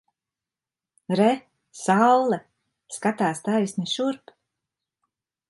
Re! Saule! Skatās taisni šurp!